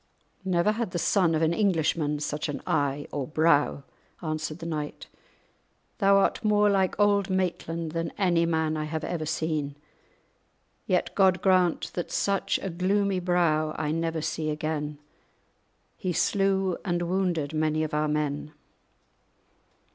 "Never had the son of an Englishmen such an eye or brow," answered the knight; "thou art more like Auld Maitland than any man I have ever seen; yet God grant that such a gloomy brow I never see again; he slew and wounded many of our men."